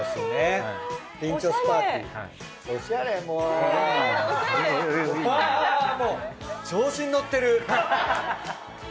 もう調子にのってる。